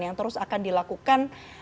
yang terus akan dilakukan